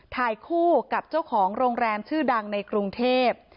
ถ่ายคู่กับเจ้าของโรงแรมชื่อดังในกรุงเทพ